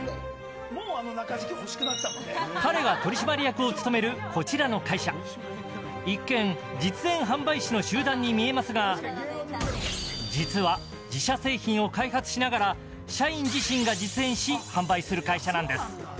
彼が取締役を務めるこちらの会社一見、実演販売士の集団に見えますが実は自社製品を開発しながら社員自身が実演し販売する会社なんです。